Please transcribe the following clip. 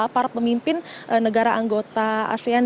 para pemimpin negara anggota asean